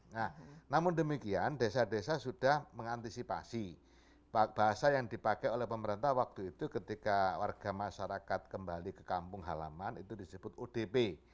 nah namun demikian desa desa sudah mengantisipasi bahasa yang dipakai oleh pemerintah waktu itu ketika warga masyarakat kembali ke kampung halaman itu disebut odp